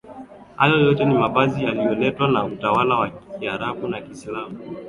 Hayo yote ni mavazi yalioletwa na utawala wa kiarabu na kiislamu